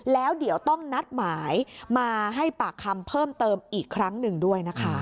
แล้วเดี๋ยวต้องนัดหมายมาให้ปากคำเพิ่มเติมอีกครั้งหนึ่งด้วยนะคะ